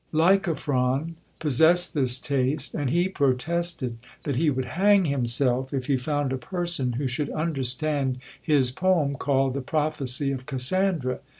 Lycophron possessed this taste, and he protested that he would hang himself if he found a person who should understand his poem, called the "Prophecy of Cassandra."